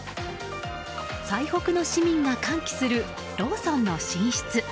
最北の市民が歓喜するローソンの進出。